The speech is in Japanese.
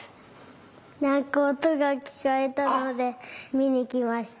なんかおとがきこえたのでみにきました。